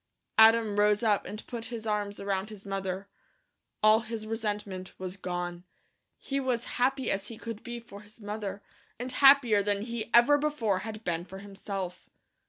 Adam rose up and put his arms around his mother. All his resentment was gone. He was happy as he could be for his mother, and happier than he ever before had been for himself.